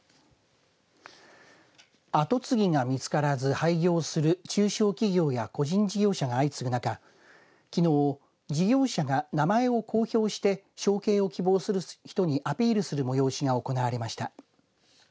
後継ぎが見つからず廃業する中小企業や個人事業者が相次ぐ中きのう、事業者が名前を公表して承継を希望する人にアピールする催しが行われました。